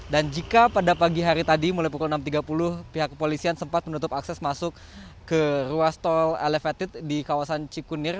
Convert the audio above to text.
dan jika pada pagi hari tadi mulai pukul enam tiga puluh pihak kepolisian sempat menutup akses masuk ke ruas tol elevated di kawasan cikunir